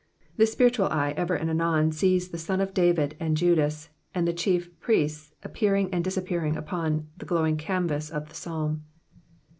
The spiritual eye ever and anon sees the Son of David and Judas, and the chief priests appearing and disappearing upon the glowing canvas of the Psalm.